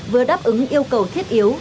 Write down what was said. vừa đáp ứng yêu cầu thiết yếu